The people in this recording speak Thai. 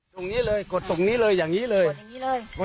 ตรงนี้เลยกดตรงนี้เลยอย่างนี้เลยกดอย่างนี้เลย